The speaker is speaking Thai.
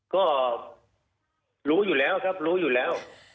ก็รู้อยู่แล้วครับรู้อยู่แล้ว